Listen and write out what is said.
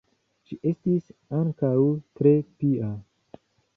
Ŝi estis ankaŭ tre pia.